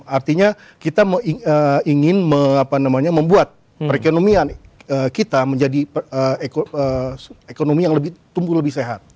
artinya kita ingin membuat perekonomian kita menjadi ekonomi yang lebih tumbuh lebih sehat